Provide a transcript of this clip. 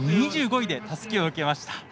２５位でたすきを受けました。